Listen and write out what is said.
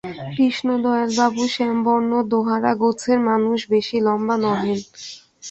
কৃষ্ণদয়ালবাবু শ্যামবর্ণ দোহারা-গোছের মানুষ, বেশি লম্বা নহেন।